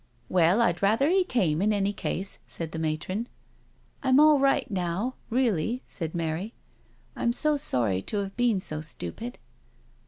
" Well, I'd rather he came in any case," said the matron. " I'm all right now, really," said Mary. " I'm so sorry to have been so stupid."